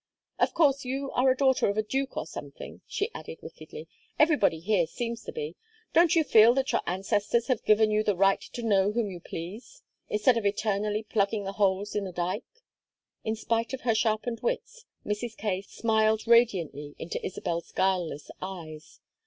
Of course you are a daughter of a duke or something," she added, wickedly. "Everybody here seems to be. Don't you feel that your ancestors have given you the right to know whom you please? instead of eternally plugging the holes in the dike." In spite of her sharpened wits, Mrs. Kaye smiled radiantly into Isabel's guileless eyes.